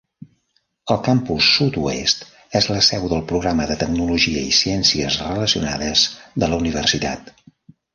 El campus sud-oest és la seu del programa de Tecnologia i Ciències Relacionades de la universitat.